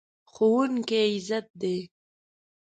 ښوونکی عزت دی.